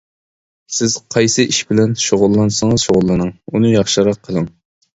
سىز قايسى ئىش بىلەن شۇغۇللانسىڭىز شۇغۇللىنىڭ، ئۇنى ياخشىراق قىلىڭ.